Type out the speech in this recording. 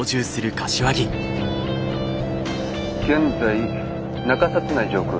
現在中札内上空。